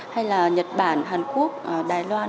hay là nhật bản hàn quốc đài loan